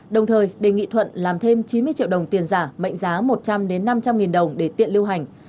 đồng thời đề nghị thuận làm thêm chín mươi triệu đồng tiền giả mệnh giá một trăm linh năm trăm linh nghìn đồng để tiện lưu hành